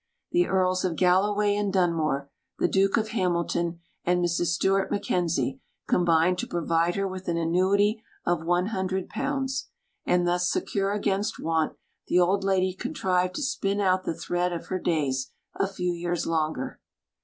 The Earls of Galloway and Dunmore, the Duke of Hamilton, and Mrs Stewart Mackenzie combined to provide her with an annuity of £100; and, thus secure against want, the old lady contrived to spin out the thread of her days a few years longer.